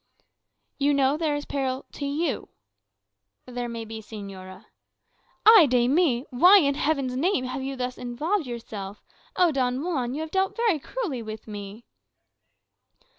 "You acknowledge there is peril to you?" "There may be, señora." "Ay de mi! Why, in Heaven's name, have you thus involved yourself? O Don Juan, you have dealt very cruelly with me!"